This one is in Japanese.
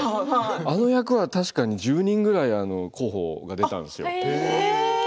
あの役は確かに１０人ぐらい候補が出たんですよ。